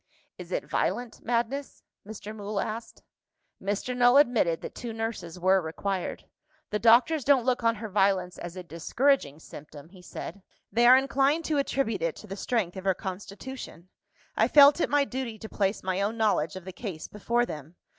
"Is it violent madness?" Mr. Mool asked. Mr. Null admitted that two nurses were required. "The doctors don't look on her violence as a discouraging symptom," he said. "They are inclined to attribute it to the strength of her constitution. I felt it my duty to place my own knowledge of the case before them.